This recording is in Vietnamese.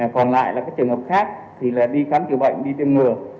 còn lại là các trường hợp khác là đi khán cửa bệnh đi tiêm ngừa